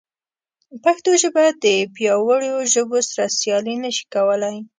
پښتو ژبه د پیاوړو ژبو سره سیالي نه شي کولی.